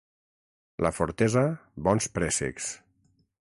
La Fortesa, bons préssecs.